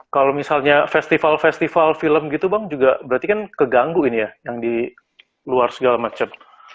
kalau misalnya festival festival film gitu bang juga berarti kan keganggu ini ya yang di luar segala macam